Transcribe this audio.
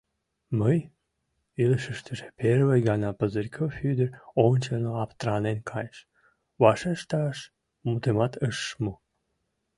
— Мый?! — илышыштыже первый гана Пузырьков ӱдыр ончылно аптранен кайыш, вашешташ мутымат ыш му.